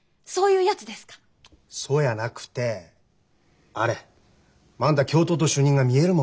そうやなくてあれまんだ教頭と主任がみえるもんで。